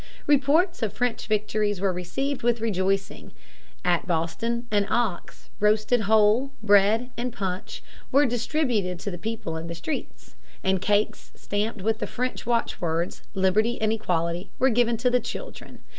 Reports of French victories were received with rejoicing. At Boston an ox, roasted whole, bread, and punch were distributed to the people in the streets, and cakes stamped with the French watchwords, Liberty and Equality, were given to the children.